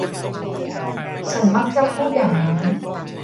ฉันมักจะพูดอย่างนั้น